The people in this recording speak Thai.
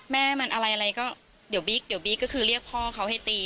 แม่มันอะไรอะไรก็เดี๋ยวบิ๊กเดี๋ยวบิ๊กก็คือเรียกพ่อเขาให้ตี